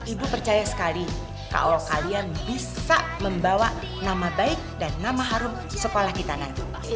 ibu percaya sekali kalau kalian bisa membawa nama baik dan nama harum di sekolah kita nanti